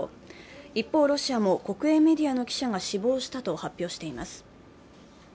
一方、ロシアも国営メディアの記者が死亡したと発表しています。